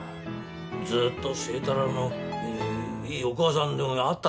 ずっと星太郎のいいお母さんでもあったろ？